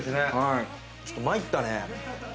ちょっと参ったね。